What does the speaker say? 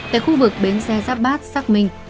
tại khu vực bến xe giáp bát xác minh